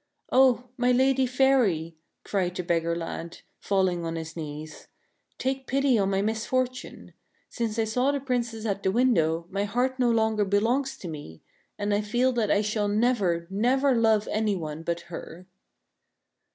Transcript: " O my Lady Fairy," cried the beggar lad, falling on his knees, "take pity on my misfortune. Since I saw the Princess at the window, my heart no longer belongs to me; and I feel that I shall never, never love any one but her."